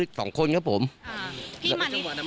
ตลอดทั้งคืนตลอดทั้งคืน